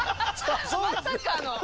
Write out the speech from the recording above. まさかの。